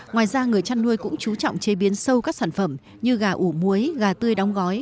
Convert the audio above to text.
ngoài ra người chăn nuôi cũng chú trọng chế biến sâu các sản phẩm như gà ủ muối gà tươi đóng gói